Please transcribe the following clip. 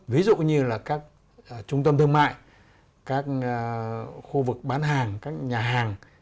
ví dụ như là các trung tâm thương mại các khu vực bán hàng các nhà hàng